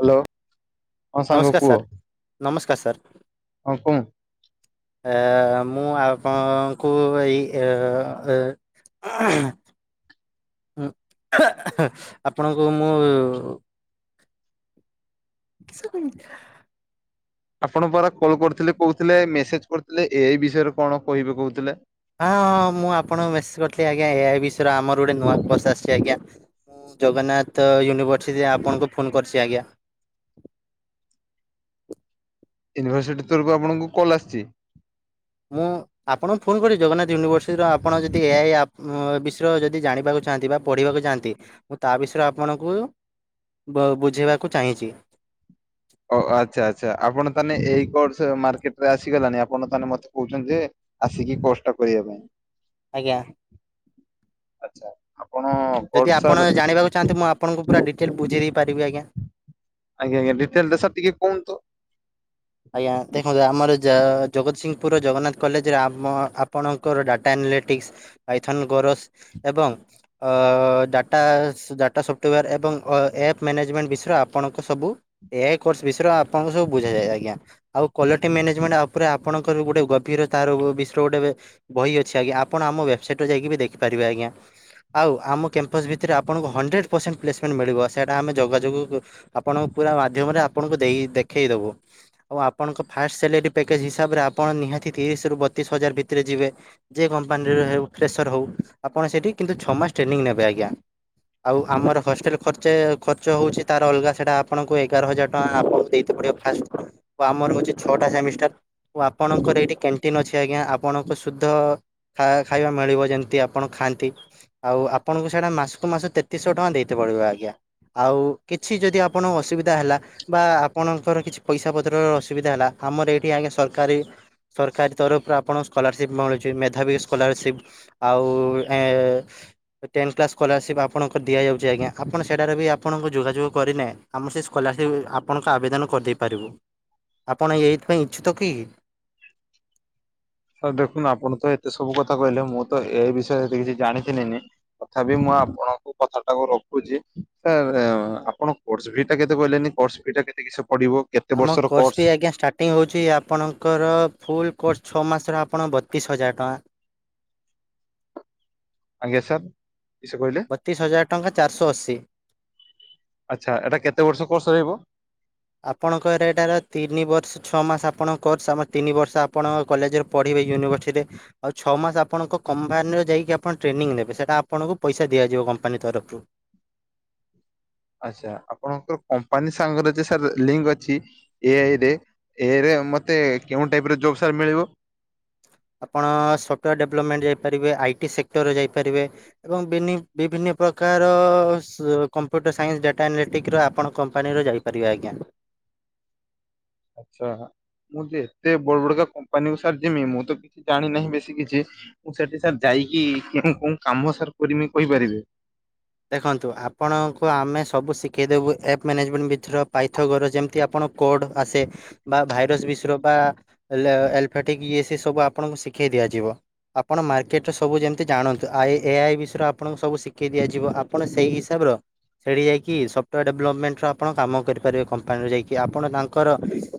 Hello. ହଁ ସାଙ୍ଗ ନମସ୍କାର କୁହ ସାର୍- ନମସ୍କାର ସାର୍। ହଁ କହ [unintelligible] ଏ ମୁଁ ଆପଣଙ୍କୁ ଏ [unintelligible] ହଁ ଆପଣଙ୍କୁ ମୁଁ [unintelligible] ଆପଣ ପରା କଲ୍ କରିଥିଲେ କହୁଥିଲେ ମେସେଜ କରିଥିଲେ ଏଇ ବିଷୟରେ କଣ କହିବେ କହୁଥିଲେ? ହଁ ହଁ, ମୁଁ ଆପଣଙ୍କୁ ମେସେଜ କରିଥିଲି ଆଜ୍ଞା ଏ ବିଷୟରେ ଆମର ଗୋଟେ ନୂଆ ପସ୍ ଆସିଛି ଆଜ୍ଞା। ଜଗନ୍ନାଥ ୟୁନିଭର୍ସିଟିରେ ଆପଣଙ୍କୁ ଫୋନ କରିଛି ଆଜ୍ଞା। ୟୁନିଭର୍ସିଟି ତରଫରୁ ଆପଣଙ୍କୁ କଲ୍ ଆସିଛି। ମୁଁ ଆପଣଙ୍କୁ ଫୋନ୍ କରିବି ଜଗନ୍ନାଥ ୟୁନିଭର୍ସିଟିର ଆପଣ ଯଦି ଏ ଆଇ ଆପ- ବିଷୟରେ ଯଦି ଜାଣିବାକୁ ଚାହାନ୍ତି ବା ପଢ଼ିବାକୁ ଚାହାନ୍ତି। ମୁଁ ତା ବିଷୟରେ ଆପଣଙ୍କୁ- ବ ବୁଝେଇବାକୁ ଚାହିଁଛି। ଓ ଆଚ୍ଛା ଆଚ୍ଛା। ଆପଣ ତାହେଲେ ଏଇ କୋରସ ମାର୍କେଟ ରେ ଆସିଗଲାଣି ଆପଣ ତାେ ମତେ କହୁଛନ୍ତି ଯେ, ଆସିକି କୋରସ କରିବା ପାଇଁ। ଆଜ୍ଞା। ଆଛା ଆପଣ [unintelligible] ଯଦି ଆପଣଜାଣିବାକୁ ଚାହାନ୍ତି ମୁଁ ଆପଣଙ୍କୁ ପୁରା ଡିଟେଲ ବୁଝେଇ ଦେଇପାରିବି ଆଜ୍ଞା। ଆଜ୍ଞ ଆଜ୍ଞା ଡିଟେଲସ ଟିକେ କୁହନ୍ତୁ। ଆଜ୍ଞା ଦେଖନ୍ତୁ, ଆମର ଜଗତସିଂହପୁର ଜଗନ୍ନାଥ କଲେଜରେ ଆମ ଆପଣଙ୍କର ଡାଟା ଆନାଲିଟିକ୍ସ ପାଇଥନ୍ ଗରସ ଏବଂ ଡାଟା ଡାଟା ସଫ୍ଟୱେୟାର୍ ଏବଂ ଆପ୍ ମ୍ୟାନେଜମେଣ୍ଟ ବିଷୟରେ ଆପଣଙ୍କ ସବୁ ଏ କୋର୍ସ ବିଷୟରେ ଆପଣଙ୍କୁ ସବୁ ବୁଝା ଯାଏ ଆଜ୍ଞା। ଆଉ କ୍ଲଲିଟି ମ୍ୟାନେଜମେଣ୍ଟ ଉପରେ ଆପଣଙ୍କର ଗୋଟେ ଗଭୀର ତାର ବିଷରେ ଗୋଟେ ବହି ଅଛି ଆଜ୍ଞା ଆପଣ ଆମ ୱେବସଟ ଯାଇକି ଦେଖିପାରିବେ ଆଜ୍ଞା। ଆଉ ଆମ କ୍ୟାମ୍ପସ୍ ଭିତରେ ଆପଣଙ୍କୁ ହଣ୍ଡ୍ରେଡ଼୍ ପରସେଣ୍ଟ ପ୍ଲେସମେଣ୍ଟ ମିଳିବ ସେଇଟା ଆମେ ଯୋଗାଯୋଗ- ଆପଣ ପୁରା ମାଧ୍ୟମରେ ଆପଣଙ୍କୁ ଦେଇ ଦେଖେଇଦବୁ। ଆଉ ଆପଣଙ୍କ ଫାଷ୍ଟ ସାଲରୀ ପ୍ୟାକେଜ୍ ହିସାବରେ ଆପଣ ନିହାତି ତିରିଶରୁ ବତିଶ ହଜାର ଭିତରେ ଯିବେ। ଯେ କମ୍ପାନୀର ହେଉ ଫ୍ରେସର ହଉ ଆପଣ ସେଇଠି କିନ୍ତୁ ଛଅ ମାସ ଟ୍ରେନିଂ ନେବେ ଆଜ୍ଞା। ଆଉ ଆମର ହଷ୍ଟେଲ ଖର୍ଚ୍ଚ ଖର୍ଚ୍ଚ ହଉଛି ତାର ଅଲଗା ସେଇଟା ଆପଣଙ୍କୁ ଏଗାର ହଜାର ଟଙ୍କା ଆପଣଙ୍କୁ ଦେଇ ପଡିବ। ଫାଷ୍ଟଫୁଡ ଓ ଆମର ହଉଛି ଛଅଟା ସେମିଷ୍ଟାର ଓ ଆପଣଙ୍କର ଏଇଠି- ଟିନ୍ ଅଛି ଆଜ୍ଞା ଆପଣଙ୍କୁ ଶୁଦ୍ଧ ଖାଇବା ମିଳିବ ଯେମିତି ଆପଣ ଖାଆନ୍ତି। ଆଉ ଆପଣଙ୍କୁ ସେଇଟା ମାସକୁ ମାସ ତେତିଶହ ଟଙ୍କା ଦେଇତେ ପଡ଼ିବ ଆଜ୍ଞା। ଆଉ କିଛି ଯଦି ଆପଣଙ୍କ ଅସୁବିଧା ହେଲା ବା ଆପଣଙ୍କର କିଛି ପଇସା ପ- ଅସୁବିଧା ହେଲା ଆମର ଏଠି ଆଜ୍ଞ ସରକାରୀ ସରକାରୀ ତରଫରୁ ଆପଣଙ୍କୁ ସ୍କଲାରସିପ୍ ମିଳୁଛି ମେଧାବୀ ସ୍କଲାରସିପ୍ ଆଉ ଏ ଟେନ୍ କ୍ଲାସ୍ ସ୍କଲାରସିପ୍ ଆପଣଙ୍କ ଦିଆଯାଉଛି ଆଜ୍ଞା ଆପଣ ସେଠାରେ ବି ଆପଣଙ୍କୁ ଯୋଗାଯୋଗ କରିଲେ। ଆମର ସେ ସ୍କଲାରସିପ୍ ଆପଣଙ୍କ ଆବେଦନ କରିଦେଇପାରିବ। ଆପଣ ଏଇ ଏଇଥିପାଇ ଇଚ୍ଛୁକ କି? ସାର୍ ଦେଖୁନ ଆପଣ ତ ଏତେ ସବୁ କଥା କହିଲେ ମୁଁ ତ ଏଇ ବିଷୟରେ ଏତ କିଛି ଜାଣିିଥିଲି ନି। ତଥା ବିି ମୁଁ ଆପଣଙ୍କୁ କଥା ଟାକୁ ରଖୁଛି ଏ ଆପଣ କୋର୍ସ ଫି ଟା କେତ କହିଲେି କୋର୍ସ ଫି ଟା କେତେ କିଛି ପଡିବ? କେତେ ଆମ ବର୍ଷର କୋର୍ସ ବି ଆଜ୍ଞା ଷ୍ଟାର୍ଟ ପାର୍ଟିଂ ହେଉଛି ଆପଣଙ୍କର ଫୁଲ୍ କୋର୍ସ ଛଅ ମାସର ଆପଣ ବତିଶ ହଜାର ଟଙ୍କା ଆଜ୍ଞା ସାର୍ କିସ କହିଲେ ବତିଶ ହଜାର ଟଙ୍କା ଚାରିଶହ ଅଶୀ। ଆଚ୍ଛା ଏଟା କେତେ ବର୍ଷ କୋର୍ସ ରହିବ? ଆପଣଙ୍କ ରେଟା ହେଲା ତିନି ବର୍ଷ ଛଅ ମାସ ଆପଣ କରୋର୍ସ ଆମର ତିନି ବର୍ଷ ଆପଣଙ୍କ କଲେଜରେ ପଢ଼ିବେ ୟୁନିଭର୍ସିଟିରେ ଆଉ ଛଅ ମାସ ଆପଣଙ୍କ କମ୍ପାନୀରେ ଯାଇକି ଆପଣ ଟ୍ରେନିଂ ନେବେ ସେଇଟା ଆପଣଙ୍କୁ ପଇସା ଦିଆଯିବ କମ୍ପାନୀ ତରଫରୁ ଆଚ୍ଛା ଆପଣଙ୍କର କମ୍ପାନୀ ସାଙ୍ଗରେ ଯେ ସାର୍ ଲିଙ୍କ ଅଛି। ଏ ଆଇରେ ଏରେ ମତେ କେଉଁ ଟାଇପରେ ଜୋବ ସାର ମିଳିବ? ଆପଣ ସଫ୍ଟୱୋର୍ ଡେଭଲପମେଣ୍ଟ ଯାଇପାରିବେ ଆଇଟି ସେକ୍ଟରରେ ଯାଇପାରିବେ। ଏବଂ ବେନି ବିଭିନ୍ନ ପ୍ରକାର ସ କମ୍ପ୍ୟୁଟର ସାଇନ୍ସ ଡାଟା ଆନାଲେଟିକ ର ଆପଣ କମ୍ପାନୀର ଯାଇ ପାରିବେ ଆଜ୍ଞା। ଆଚ୍ଛା ମୁଁ ଯେ ଏତେ ବଡ ବଡକା କମ୍ପାନୀରୁ ସାର୍ ଜିମି ମୁଁ ତ କିଛି ଜାଣି ନାହିଁ ବେଶୀ କିଛି ମୁଁ ସେଠି ସାର୍ ଯାଇକି କୋଉ କାମ ସାର୍ କରିମି କହିପାରିବେ? ଦେଖନ୍ତୁ ଆପଣଙ୍କୁ ଆମେ ସବୁ ଶିଖେଇ ଦେବୁ ଆପ୍ ମ୍ୟାନେଜମେଣ୍ଟ ଭିତର ପାଇଥଗର ଯେମିତି ଆପଣ କୋଡ ଆସେ ବା ଭାଇରସ ବିଷ୍ର ବା ଆଲା ଆଲଫାଟିକ୍ ଇଏ ସି ସବୁ ଆପଣଙ୍କୁ ଶିଖେଇ ଦିଆଯିବ। ଆପଣ ମାର୍କେଟ ରେ ସବୁ ଯେମିତି ଜାଣନ୍ତୁ ଆଇ ଏ ଆଇ ବିଷୟରେ ଆପଣଙ୍କୁ ସୁ ଶିଖେଇ ଦିଆଯଛି। ଯିବ ଆପଣ ସେଇ ହିସାବର ସେଇଠି ଯାଇକି ସଫ୍ଟୱେୟାର ଡେଭଲପମେଣ୍ଟର ଆପଣ କାମ କରିପାରିବେ କମ୍ପାନୀରୁ ଯାଇକି ଆପଣ ତାଙ୍କର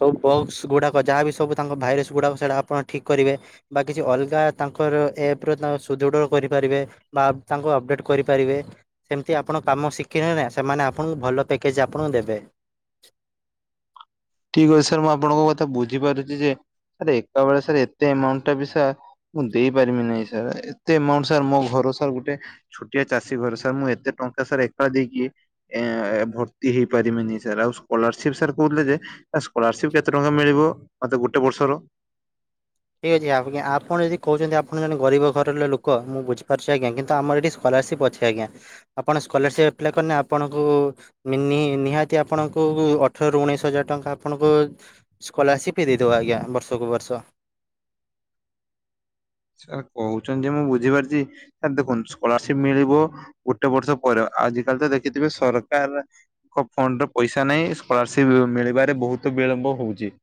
ସବୁ ବକ୍ସ ଗୁଡ଼ାକ ଯାହାବ ବି ସବୁ ତାଙ୍କ ଭାଇରସ୍ ଗୁଡ଼ାକ ସେଇଟା ଆପଣ ଠିକ୍ କରିବେ। ବା କିଛି ଅଲଗା ତାଙ୍କର ଏପ ର ତା ସୁଦୃଢ କରିପାରିବେ ବା ତାଙ୍କୁ ଅପଡେଟ କରି ପାରିବେ ସେମିତି ଆପଣ କାମ ଶିଖିନେ ନା ସେମାନେ ଆପଣଙ୍କୁ ଭଲ ପ୍ୟାକେଜ୍ ଆପଣଙ୍କୁ ଦେବେ। ଠିକ ଅଛି ସାର୍ ମୁଁ ଆପଣଙ୍କ କଥା ବୁଝିପାରୁଛି ଯେ ସାର୍ ଏକା ବଳେ ସାର୍ ଏତେ ଆମାଉଣ୍ଟ ଟା ବି ସାର୍ ମୁଁ ଦେଇ ପାରିବି ନାହିଁ ସାର୍ ଏତେ ଆମାଉଣ୍ଟ ସାର୍ ମୋ ଘର ସାର୍ ଗୋଟେ ଛୋଟିଆ ଚାଷୀ ଘରେ ସାର୍ ମୁଁ ଏତେ ଟଙ୍କା ସାର୍ ଏକା ଦେଇକି ଏ ଭର୍ତ୍ତି ହେଇପାରିବିନି ସାର୍ ଆଉ ସ୍କଲାରସିପ ସାର୍ କହୁଥିଲେ ଯେ ସ୍କଲାରସିପ କେତେ ଟଙ୍କା ମିଳିବ ମତେ ଗୋଟେ ବର୍ଷର ଠିକ ଅଛି ଆଜ୍ଞ ଆପଣ ଯଦି କହୁଛନ୍ତି ଆପଣେ ଗରିବ ଘର ଲୋକ ମୁଁ ବୁଝିପାରୁଛି ଆଜ୍ଞା କିନ୍ତୁ ଆମର ଏଠି ସ୍କଲାରସିପ୍ ଅଛି ଆଜ୍ଞା ଆପଣ ସ୍କଲାରସିପ୍ ଆପ୍ଲାଏ କରିଲେନେ ଆପଣଙ୍କୁ ମିନି ନିହାତି ଆପଣଙ୍କୁ ଅଠର ରୁ ଉଣେଇଶି ହଜାର ଟଙ୍କା ଆପଣଙ୍କୁ ସ୍କଲାରସିପ ଦେଇଦବ ଆଜ୍ଞା ବର୍ଷକୁ ବର୍ଷ ସାର୍ କହୁଛନ୍ତି ଯେ ମୁଁ ବୁଝିପାରୁଛି ସାର୍ ଦେଖନ୍ତୁ ସ୍କଲାରସିପ ମିଳିବ। ଗୋଟେ ବର୍ଷ ପରେ ଆଜି କାଲି ତ ଦେଖିଥିବେ ସରକାର ଫଣ୍ଡରେ ପଇସା ନାହିଁ ସ୍କଲାରସିପ ମିଳିବାରେ ବହୁତ ବିଳମ୍ବ ହଉଛି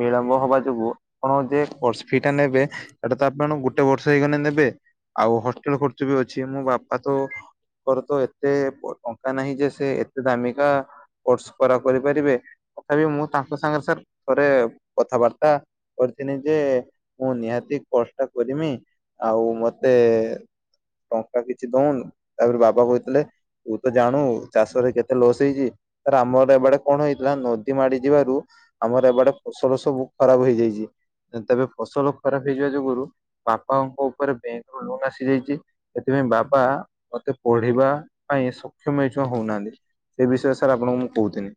ବିଳମ୍ବ ହବା ଯୋଗୁ ଆପଣ ଯେ କର୍ସ ଫି ଟା ନେବେ। ସେଇଟା ତ ଆପଣ ଗୋଟେ ବର୍ଷ ହେଇଗଲେ ନେବେ ଆଉ ହଷ୍ଟେଲ ଖର୍ଚ୍ଚ ବି ଅଛି ମୋ ବାପା ତ କରର ତ ଏତେ ଟଙ୍କା ନାହିଁ ଯେ ସେ ଏତେ ଦାମିକା କୋସ କର କରିପାରିବେ ତଥାପି ମୁଁ ତାଙ୍କ ସାଙ୍ଗରେ ସାର୍ ଥରେ କଥାବାର୍ତ୍ତା କରିଥିଲି ଯେ ମୁଁ ନିହାତି କର୍ସଟା କରିମି ଆଉ ମତେ ଟଙ୍କା କିଛି ଦଉନି ତାପରେ ବାବା କହିଥିଲେ ତୁ ତ ଜାଣୁ ଚାଷରେ କେତେ ଲସ୍ ହେଇଛି। ରାମରେ ଏବେ ଏଡେ କଣ ହେଇଥିଲା ନଦୀ ମାଡି ଯିବାରୁ। ଆମର ଏ ବାଡେ ଫସଲ ସବୁ ଖରାପ ହେଇଯାଇଜି ତେବେ ଫସଲ ଖରାପ ହେଇଯିବା ଯୋଗୁରୁ। ବାପାଙ୍କ ଉପରେ ବ୍ୟାଙ୍କ ରୁ ଲୋନ ଆସିଯାଇଚି। ସେଥିପାଇଁ ବାବା ମତେ ପଢେଇବା ପାଇଁ ସକ୍ଷମ [unintelligible] ହଉନାହାନ୍ତି। ଏ ବିଷୟରେ ସାର୍ ଆପଣଙ୍କୁ ମୁଁ କହୁଥିନି।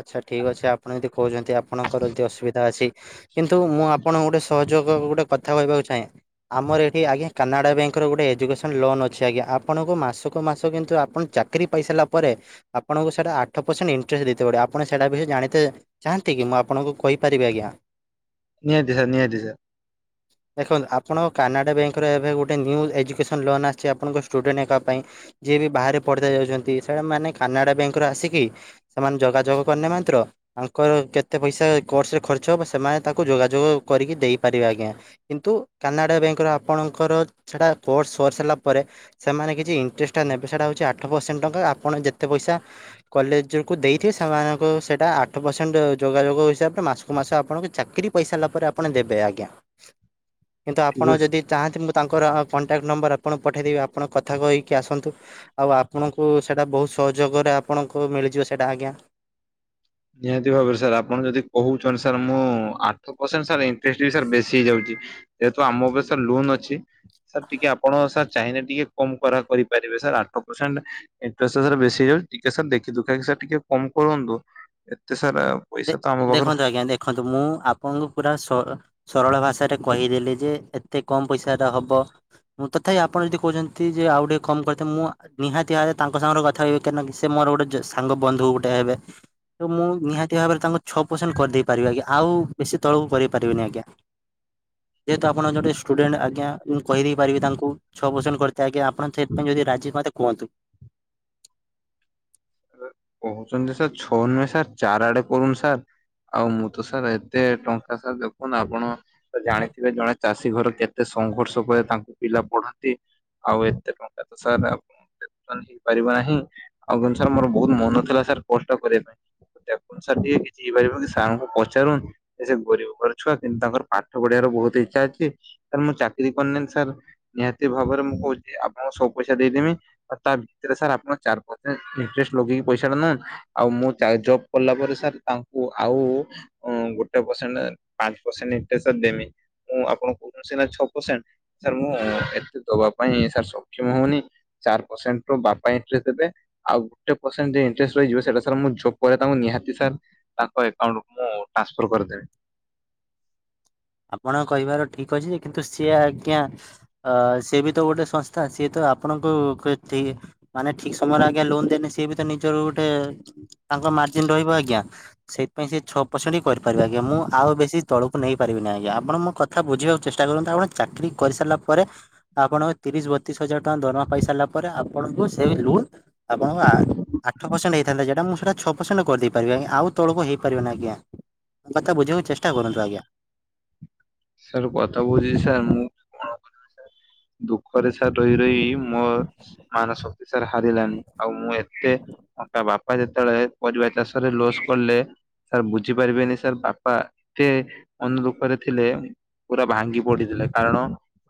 ଆଛା ଠିକ୍ ଅଛି ଆପଣ ଯଦି କହୁଛନ୍ତି ଆପଣଙ୍କର ଯଦି ଅସୁବିଧା ଅଛି କିନ୍ତୁ ମୁଁ ଆପଣ ଗୋଟେ ସହ ଯୋଗ ଗୋଟେ କଥା କହିବାକୁ ଚାହେଁ। ଆମର ଏଠି ଆଜ୍ଞା କାନାଡ଼ା ବ୍ୟାଙ୍କର ଗୋଟେ ଏଜୁକେସନ୍ ଲୋନ୍ ଅଛି ଆଜ୍ଞା ଆପଣଙ୍କୁ ମାସକୁ ମାସ କିନ୍ତୁ ଆପଣ ଚା ଚାକିରି ପାଇ ସାରିଲା ପରେ ଆପଣଙ୍କୁ ସେଟା ଆଠ ପସେଣ୍ଟ ଇଣ୍ଟରେଷ୍ଟ ଥିବ ଗୋଟେ ଆପଣ ସେଟା ବି ଜାଣିଥେ ଚାହାନ୍ତି କି ମୁଁ ଆପଣଙ୍କୁ କହିପାରିବି ଆଜ୍ଞା। ନିହାତି ସାର୍ ନିହାତି ସାର୍। ହ [inaudible] ଦେଖନ୍ତୁ ଆପଣଙ୍କ କାନାଡ଼ା ବ୍ୟାଙ୍କର ଏବେ ଗୋଟେ ନ୍ୟୁ ଏଜୁକେସନ୍ ଲୋନ୍ ଆସିଛି ଆପଣଙ୍କ ଷ୍ଟୁଡେଣ୍ଟ ହେକା ପାଇଁ। ଯିଏ ବି ବାହାରେ ପଢିଦେ ଯାଉଛନ୍ତି ସେଟା ମାନେ କାନାଡା ବ୍ୟାଙ୍କ ରୁ ଆସିକି। ସେମାନେ ଯୋଗାଯୋଗ କରିନେ ମାନ୍ତ୍ର ତାଙ୍କର କେତେ ପଇସା କୋର୍ସ ରେ ଖର୍ଚ୍ଚ ହବ ସେମାନେ ତାକୁ ଯୋଗାଯୋଗ କରିକି ଦେଇ ପାରିବେ ଆଜ୍ଞା। କିନ୍ତୁ କାନାଡ଼ା ବ୍ୟାଙ୍କର ଆପଣଙ୍କର ସେଟା କୋର୍ସ ସରି ସାରିଲା ପରେ। ସେମାନେ କିଛି ଇଣ୍ଟରେଷ୍ଟଟା ନେବେ ସେଟା ହଉଛି ଆଠ ପରସେଣ୍ଟ ଟଙ୍କା ଆପଣ ଯେତେ ପଇସା କଲେଜରୁ କୁ ଦେଇଥିବେ ସେମାନଙ୍କୁ ସେଟା ଆଠ ପରସେଣ୍ଟ ଯୋଗାଯୋଗ ହିସାବରେ ମାସକୁ ମାସ ଆପଣଙ୍କୁ ଚାକିରି ପାଇସାରିଲା ପରେ ଆ ଆପଣ ଦେବେ ଆଜ୍ଞା କିନ୍ତୁ ଠିକ ଆପଣ ଅଛି। ଯଦି। ଚାହାନ୍ତି ମୁଁ ତାଙ୍କର କଣ୍ଟାକ୍ଟ ନମ୍ବର ଆପଣଙ୍କୁ ପଠେଇଦେବୀ ଆପଣ କଥା କହିକି ଆସନ୍ତୁ। ଆଉ ଆପଣଙ୍କୁ ସେଟା ବହୁତ ସହଯୋଗରେ ଆପଣଙ୍କୁ ମିଳିଯିବ ସେଟା ଆଜ୍ଞା। ନିହାତି ଭାବରେ ସାର୍ ଆପଣ ଯଦି କହୁଛନ୍ତି ସାର୍ ମୁଁ ଆଠ ପରସେଣ୍ଟ ସାରେ ଇ [unintelligible] ସାର୍ ବେଶୀ ହେଇଯାଉଛି ଯେହେତୁ ଆମ ଉପରେ ସାର୍ ଲୋନ୍ ଅଛି ସାର୍ ଟିକିଏ ଆପଣ ସାର୍। ଚାହିଁଲେ ଟିକିଏ କମ କରା କରିପାରିବେ ସାର୍ ଆଠ ପରସେଣ୍ଟ। ଇଣ୍ଟ୍ରେଷ୍ଟ ସାର୍ ବେଶୀ ହେଇଯାଉ ଟିକେ ସାର୍ ଦେଖି ଦୁଖାକି ସାର୍ ଟିକିଏ କମ କରନ୍ତୁ ଏତେ ସାର୍ ଦେ ଦେଖନ୍ତୁ ଆଜ୍ଞା ଦେଖନ୍ତୁ ମୁଁ ଆପଣଙ୍କୁ ପୁରା ସ ସରଳ ଭାଷାରେ କହିଦେଲି ଯେ ଏତେ କମ ପଇସାର ହବ। ମୁଁ ତଥାପି ଆପଣ ଯଦି କହୁଛନ୍ତି ଯେ ଆଉ ଟିକିଏ କମ୍ କରିତେ ମୁଁ ନିହାତି ଭାବରେ ତାଙ୍କ ସାଙ୍ଗରେ କଥା ହେବି କାହିଁ ନା ସେ ମୋର ଗୋଟେ ସାଙ୍ଗ ବନ୍ଧୁ ଗୋଟେ ହେବେ। ତ ମୁଁ ନିହାତି ଭାବରେ ତାଙ୍କୁ ଛଅ ପରସେଣ୍ଟ କରିଦେଇ ପାରିବି ଆଜ୍ଞା ଆଉ ବେଶୀ ତଳକୁ କରେଇ ପାରିବିନି ଆଜ୍ଞା। ଯେହେତୁ ଆପଣ ଜଣେ ଷ୍ଟୁଡେଣ୍ଟ ଆଜ୍ଞା ମୁଁ କହିଦେଇ ପାରିବି ତାଙ୍କୁ ଛଅ ପରସେଣ୍ଟ କରିତେ ଆଜ୍ଞା ଆ ଆପଣ ଚେତ୍ ପାଇଁ ଯଦି ରାଜି ହୁଅନ୍ତେ କୁହନ୍ତୁ। କହୁଛନ୍ତି ସାର୍ ଛଅ ନୁହେଁ ସାର୍ ଚାର୍ ଆଡେ କରୁନ୍ ସାର୍। ଆଉ ମୁଁ ତ ସାର୍ ଏତେ ଟଙ୍କା ସାର୍ ଦେଖନୁ ଆପଣ ତ ଜାଣିଥିବେ ଜଣେ ଚାଷୀ ଘର କେ କେତେ ସଂଘର୍ଷ ପରେ ତାଙ୍କୁ ପିଲା ପଢାନ୍ତି ଆଉ ଏତେ ଟଙ୍କା ତ ସା ହେଇପାରିବ ନାହିଁ ଆଉ କିନ୍ତୁ ସାର୍ ମୋର ବହୁତ ମନ ଥିଲା ସାର୍ କଷ୍ଟ କରିବା ପାଇଁ। ଦେଖନ୍ତୁ ସାର୍ ଟିକେ କିଛି ହେଇପାରିବ କି ସାର୍ ଙ୍କୁ ପଚାରୁନ୍ ସେ ଗରିବ ଘର ଛୁଆ କିନ୍ତୁ ତାଙ୍କର ପାଠ ପଢିବାର ବହୁତ ଇଚ୍ଛା ଅଛି ସାର୍ ମୁଁ ଚାକିରି କରିନି ନ୍ ସାର୍। ନିହାତି ଭାବରେ ମୁଁ କହୁଚି ଆପଣଙ୍କୁ ସବୁ ପଇସା ଦେଇଦେମି ଆଉ ତା ଭିତରେ ସାର୍ ଆପଣଙ୍କ ଚାରି ପସ ଇନ୍ଟ୍ରେଷ୍ଟ ଲଗେଇକି ପଇସା [unintelligible] ଆଉ ମୁଁ ଚା ଜବ୍ କଲା ପରେ ସାର୍ ତାଙ୍କୁ ଆଉ। ଗୋଟେ ପରସେଣ୍ଟ ପାଞ୍ଚ ପରସେଣ୍ଟ ଇଣ୍ଟରେଷ୍ଟ୍ ସାର୍ ଦେମି ମୁଁ ଆପଣ କହୁ ସିନା ଛଅ ପରସେଣ୍ଟ। ସାର୍ ମୁଁ ଏତେ ଦବା ପାଇଁ ସାର୍ ସକ୍ଷମ ହଉନି। ଚାର୍ ପର୍ସେଣ୍ଟ ର ବାପା ଇଣ୍ଟେରେଷ୍ଟ ଦେବେ। ଆଉ ଗୋଟେ ପରର୍ସେଣ୍ଟ ଦେ ଇଣ୍ଟରେଷ୍ଟ ରହିଯିବ ସେଟା ସାର୍ ମୁଁ ଯୋବ୍ ପରେ ତାଙ୍କୁ ନିହାତି ସାର୍। ତାଙ୍କ ଏକାଉଣ୍ଟକୁ ମୁଁ ଟ୍ରାନ୍ସଫର୍ କରିଦେବି। ଆପଣ କହିବାର ଠିକ୍ ଅଛି ଯେ କିନ୍ତୁ ସିଏ ଆଜ୍ଞା। ଅ ସିଏ ବି ତ ଗୋଟେ ସଂସ୍ଥା ସିଏ ତ ଆପଣଙ୍କୁ ମାନେ ଠିକ୍ ସମୟରେ ଆଜ୍ଞା ଲୋନ ଦେଲେି ସିଏ ବି ତ ନିଜର ଗୋଟେ ତାଙ୍କ ମାର୍ଜଜିିନ ରହିବ ଆଜ୍ଞା ସେଥିପାଇଁ ସେ ଛଅ ପରସେଣ୍ଟ ହି କରିପାରିବ ଆଜ୍ଞା ମୁଁ ଆଉ ବେଶୀ ତଳକୁ ନେଇ ପାରିବେନି ଆଜ୍ଞା ଆପଣ ମୋ କଥା ବୁଝିବାକୁ ଚେଷ୍ଟା କରନ୍ତୁ ଆପଣ ଚାକିରି କରିସାରିଲ ପରେ। ଆପଣଙ୍କ ତିରିଶ ବତିଶ ହଜାର ଟଙ୍କା ଦରମା ପାଇ ସାରିଲା ପରେ ଆପଣଙ୍କୁ ସେ ଲୁନ୍ ଆପଣ ଆଠ ପରସେଣ୍ଟ ହେଇଥାନ୍ ଯ ଯେଟା ମୁଁ ସେଟାଛଅ ପରସେଣ୍ଟ କରିଦେଇ ପାରିବି ଆ ଆ ତଳକୁ ହେଇପାରିବନି ଆଜ୍ଞା। କଥା ବୁଝିବାକୁ ଚେଷ୍ଟା କରନ୍ତୁ ଆଜ୍ଞା। ସାର୍ କଥା ବୁଝିଛି ସାର୍ ମୁଁ କଣ? ଦୁଃଖରେ ସାର ରହି ରହି ମୋ ମାନ ଶକ୍ତିଶାର ହାରିଲାନି ଆଉ ମୁଁ ଏତେ ତା ବାପା ଯେତେବେଳେ ପରିବା ଚାଷରେ ଲୋସ୍ କଲେ ସାର୍ ବୁଝିପାରିବେନି ସାର୍ ବାପା ଏତେ ମନଦୁଃଖରେ ଥିଲେ। ପୁରା ଭାଙ୍ଗି ପଡିଥିଲା କାରଣ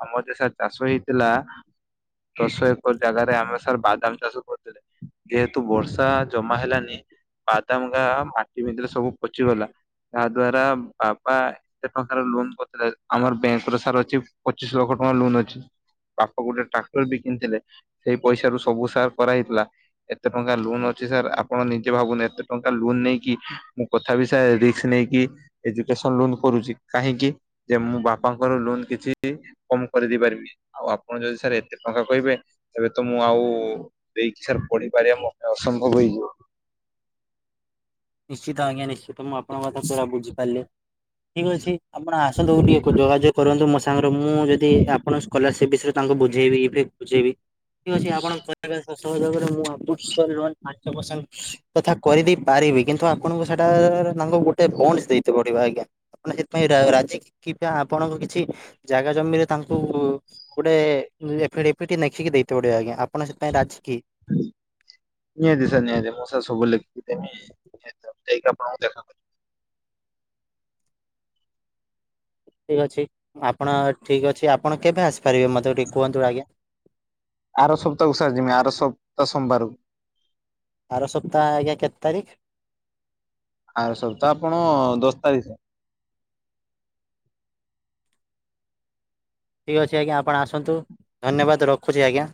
ଆମର ଦଶ ଏକର ସା ଚାଷ ହେଇଥିଲା ଦଶ ଏକ ଜାଗରେ ଆମେ ସାର୍ ବାଦାମ ଚାଷ କରୁଥିଲେ ଯେହେତୁ ବର୍ଷା ଜମା ହେଲାନି। ବାଦାମ ଗା ମାଟି ଭିତରେ ସବୁ ପଚିଗଲା। ତା ଦ୍ଵାରା ବାପା ଏତେ ଟଙ୍କାର ଲୋନ ଆମର ବ୍ୟାଙ୍କର ସାର୍ ଅଛି ପଚିଶି ଲକ୍ଷ ଟଙ୍କା ଲୋନ ଅଛି। ବାପା ଗୋଟେ ଟ୍ରାକ୍ଟର ବି କିଣିଥିଲେ ସେଇ ପଇସା ରୁ ସବୁ ସାର କରାହେଇଥିଲା। ଏତେ ଟଙ୍କା ଲୋନ୍ ଅଛି ସାର୍ ଆପଣ ନିଜେ ଭାବୁନି ଏତେ ଟଙ୍କା ଲୋନ ନେଇକି କଥା ବି ସ ରିକ୍ସ ନେଇକି ଏଜୁକେସନ ଲୋନ୍ କରୁଛି କାହିଁକି? ଯେ ମୁଁ ବାପାଙ୍କର ଲୋନ କିଛି କମ କରିଦେଇ ପାରିବି ଆଉ ଆପଣ ଯଦି ସାର୍ ଏତେ ଟଙ୍କା କହିବେ? ଏବେ ତ ମୁଁ ଆଉ ଦେଇକି ସାର୍ ପଢିପାରିବା ମୋ ପାଇଁ ଅସମ୍ଭବ ହେଇଯିବ। ନିଶ୍ଚିତ ଆଜ୍ଞା ନିଶ୍ଚିତ ମୁଁ ଆପଣଙ୍କ କଥା ପୁରା ବୁଝିପାରିଲି। ଠି୍କ ଅଛି ଆପଣ ଆସନ୍ତୁ ଟିକେ ଯୋଗାଯୋଗ କରନ୍ତୁ ମୋ ସାଙ୍ଗରେ ମୁଁ ଯଦି ଆପଣଙ୍କ ସ୍କଲାରସିପ୍ ବିଷୟରେ ତାଙ୍କୁ ବୁଝେଇବି ବୁଝେଇବି ଠିକ୍ ଅଛି ଆପଣ ସହ ମୁ ସ ତଥା କରିଦେଇ ପାରିବି କିନ୍ତୁ ତ ଆପଣଙ୍କୁ ସେଟା ତାଙ୍କୁ ଗୋଟେ ବଣ୍ଡ ଦେଇତେ ପଡିବ ଆଜ୍ଞା। ଆପ ସେଥିପାଇଁ ରାଜି କି କିବା ଆପଣଙ୍କ କିଛି ଜାଗା ଜମିରେ ତାଙ୍କୁ ଗୋଟେ ଏଠି ଏଠି ଦେଖିକି ଦେଇ ପଡିବ ଆଜ୍ଞା ଆପଣ ସେଥିପାଇଁ ରାଜି କି ନିହାତି ସାର୍ ନିହାତି ମୁଁ ସାର୍ ସବୁ ଲେଖି ଦେମି ସେଇ ପାଖ ଠିକ୍ ଅଛି ଆପଣ ଠିକ୍ ଅଛି ଆପଣ କେବେ ଆସିପାରିବେ ମୋତେ ଟିକେ କୁହନ୍ତୁ ଆଜ୍ଞା। ଆର ସପ୍ତାହକୁ ସାର ମୁଁ ଆର ସପ୍ତାହ ସୋମବାରକୁ ଆର ସପ୍ତାହ ଆଜ୍ଞା କେତେ ତାରିଖ ଆର ସପ୍ତାହ ଆପଣ ଦଶ ତାରିଖ। ଠିକ୍ ଅଛି ଆଜ୍ଞା ଆପଣ ଆସନ୍ତୁ ଧନ୍ୟବାଦ ରଖୁଛି ଆଜ୍ଞା।